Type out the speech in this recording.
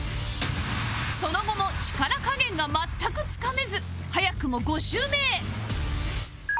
その後も力加減が全くつかめず早くも５周目へ